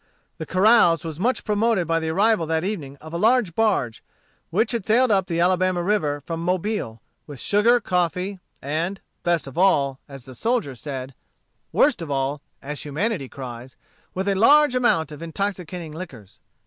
The carouse was much promoted by the arrival that evening of a large barge, which had sailed up the Alabama River from Mobile, with sugar, coffee, and, best of all, as the soldiers said worst of all, as humanity cries, with a large amount of intoxicating liquors.